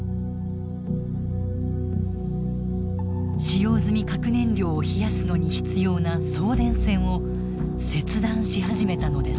使用済み核燃料を冷やすのに必要な送電線を切断し始めたのです。